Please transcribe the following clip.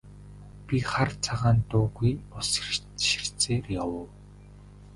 Би хар цагаан дуугүй ус ширтсээр явав.